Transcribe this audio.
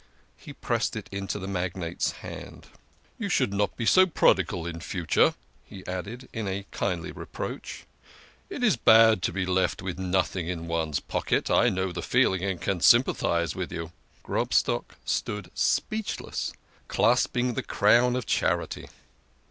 He pressed it into the magnate's hand. "You should not be so prodigal in future," he added, in kindly reproach. " It is bad to be left with nothing in one's pocket I know the feeling, and can sympathise with you." Grobstock stood speechless, clasping the crown of charity.